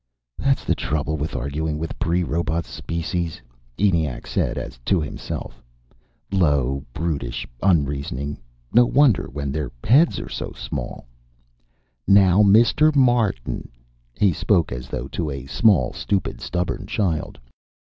"That's the trouble with arguing with pre robot species," ENIAC said, as to himself. "Low, brutish, unreasoning. No wonder, when their heads are so small. Now Mr. Martin " He spoke as though to a small, stupid, stubborn child.